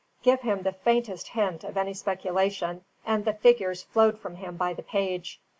Give him the faintest hint of any speculation, and the figures flowed from him by the page.